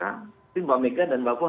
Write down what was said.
tapi mbak mega dan mbak poh